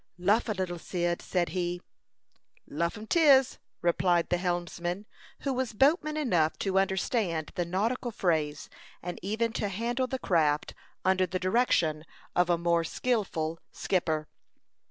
"Luff a little, Cyd," said he. "Luff 'em 'tis," replied the helmsman, who was boatman enough to understand the nautical phrase, and even to handle the craft under the direction of a more skilful skipper.